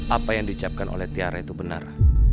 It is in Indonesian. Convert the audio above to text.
apa yang diucapkan oleh tiara itu benar